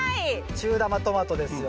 中玉トマトですよ